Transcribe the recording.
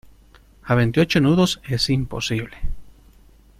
a veintiocho nudos es imposible.